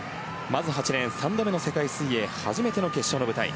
まず８レーン３度目の世界水泳初めての決勝の舞台。